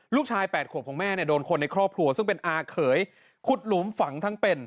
ลูกชาย๘ขวบของแม่เนี่ยโดนคนในครอบครัวซึ่งเป็นอาเขยขุดหลุมฝังทั้งเป็น